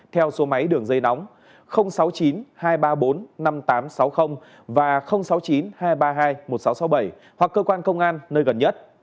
theo số máy đường dây nóng sáu mươi chín hai trăm ba mươi bốn năm nghìn tám trăm sáu mươi và sáu mươi chín hai trăm ba mươi hai một nghìn sáu trăm sáu mươi bảy hoặc cơ quan công an nơi gần nhất